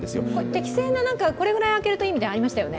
適正なこれくらい空けるといいみたいのありましたよね。